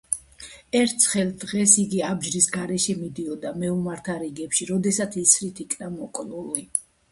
ერთ ცხელ დღეს იგი აბჯრის გარეშე მიდიოდა მეომართა რიგებში, როდესაც ისრით იქნა მოკლული.